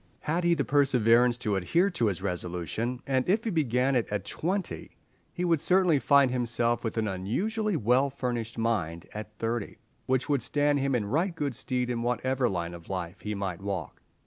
Had he the perseverance to adhere to his resolution, and if he began it at twenty, he would certainly find himself with an unusually well furnished mind at thirty, which would stand him in right good stead in whatever line of life he might walk.